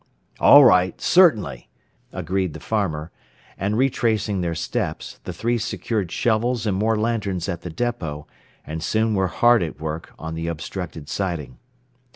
"All right, certainly," agreed the farmer; and retracing their steps, the three secured shovels and more lanterns at the depot, and soon were hard at work on the obstructed siding.